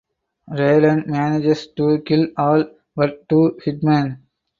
Raylan manages to kill all but two hitmen.